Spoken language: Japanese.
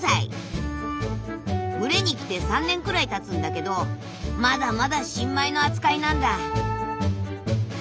群れに来て３年くらいたつんだけどまだまだ新米の扱いなんだ。